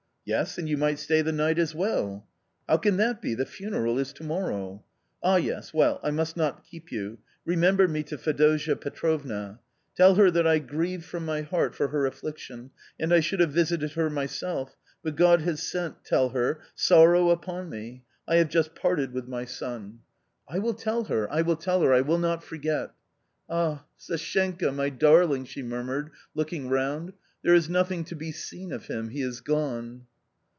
" Yes, and you might stay the night as well." " How can that be ? the funeral is to morrow." " Ah yes ; well, I must not keep you. Remember me to Fedosia Petrovna ; tell her that I grieve from my heart for her affliction, and I should have visited her myself, but God has sent, tell her, sorrow upon me — I have just parted with my son." A COMMON STORY 25 " I will tell her, I will tell her, I will not forget." " Ah, Sashenka, my darling !" she murmured looking round. "There is nothing to be seen of him, he is gone."